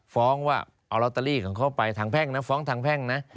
ฟ้องว่าเอาลอตเตอรี่ของเขาไปฟ้องทางแพงนะ